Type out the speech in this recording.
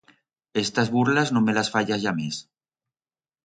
Estas burlas no me las fayas ya mes.